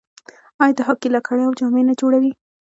آیا د هاکي لکړې او جامې نه جوړوي؟